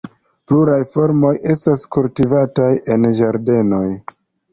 Pluraj formoj estas kultivataj en ĝardenoj.